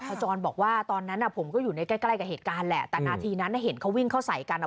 จรบอกว่าตอนนั้นผมก็อยู่ในใกล้ใกล้กับเหตุการณ์แหละแต่นาทีนั้นเห็นเขาวิ่งเข้าใส่กันอ่ะ